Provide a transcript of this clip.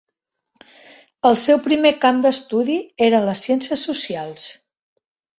El seu primer camp d'estudi eren les ciències socials.